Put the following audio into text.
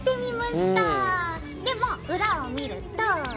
でも裏を見ると。